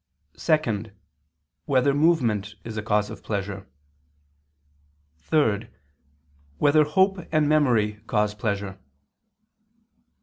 (2) Whether movement is a cause of pleasure? (3) Whether hope and memory cause pleasure?